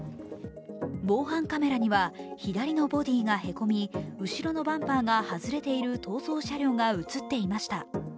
防犯カメラには左のボディーがへこみ後ろのバンパーが外れている逃走車両が映っていました。